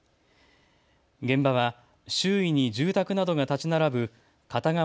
現場は周囲に住宅などが建ち並ぶ片側